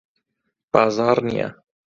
بازاڕ نییە.